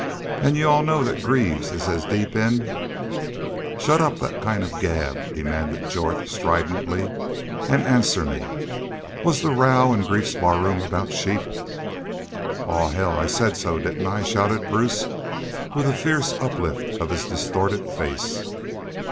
An' you all know thet Greaves is as deep in " "Shut up that kind of gab," demanded Jorth, stridently. "An' answer me. Was the row in Greaves's barroom aboot sheep?" "Aw, hell! I said so, didn't I?" shouted Bruce, with a fierce uplift of his distorted face.